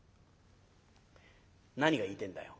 「何が言いてえんだよ」。